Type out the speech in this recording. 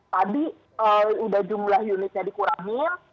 tadi udah jumlah unitnya dikurangin